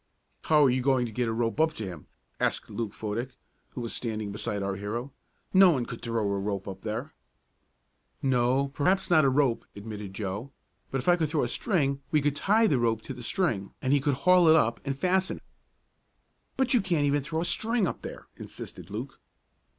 "How are you going to get a rope up to him?" asked Luke Fodick, who was standing beside our hero. "No one could throw a rope up there." "No, perhaps not a rope," admitted Joe, "but if I could throw a string we could tie the rope to the string and he could haul it up and fasten it." "But you can't even throw a string up there," insisted Luke.